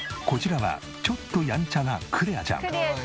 こちらはちょっとやんちゃなクレアちゃん。